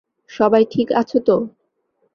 সবাই ঠিক আছো তো?